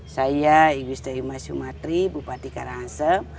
saya iguz dhaimah sumatri bupati karangasem